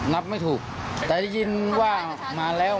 ไม่ถูกแต่ได้ยินว่ามาแล้ว